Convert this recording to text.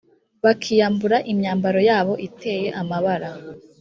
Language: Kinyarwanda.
bakiyambura imyambaro yabo iteye amabara